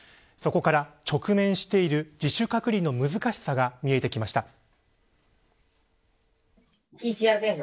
そこから、直面している自主隔離の難しさが見えてきました。